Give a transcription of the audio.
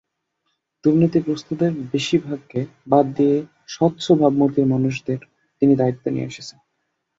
দুর্নীতিগ্রস্তদের বেশির ভাগকে বাদ দিয়ে স্বচ্ছ ভাবমূর্তির মানুষদের তিনি দায়িত্বে এনেছেন।